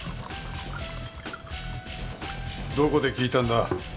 どこで聞いたんだ？